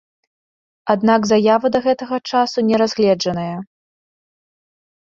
Аднак заява да гэтага часу не разгледжаная.